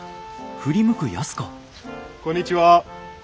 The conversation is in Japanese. こんにちは。